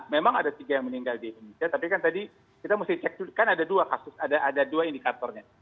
memang ada tiga yang meninggal di indonesia tapi kan tadi kita mesti cek kan ada dua kasus ada dua indikatornya